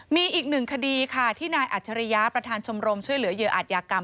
มีอีกหนึ่งคดีค่ะที่นายอัจฉริยะประธานชมรมช่วยเหลือเหยื่ออาจยากรรม